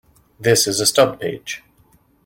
This is a stub page.